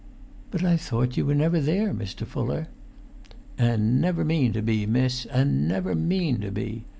"But I thought you were never there, Mr. Fuller?" "And never mean to be, miss, and never mean to be!